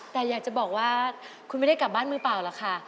แต่อยากจะบอกว่าคุณไม่ได้กลับบ้านมือเปล่าหรอกค่ะ